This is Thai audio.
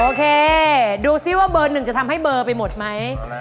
โอเคดูซิว่าเบอร์หนึ่งจะทำให้เบอร์ไปหมดไหม